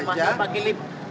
semakin pakai lip